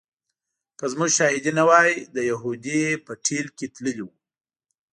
که زموږ شاهدي نه وای د یهودي په ټېل کې تللی و.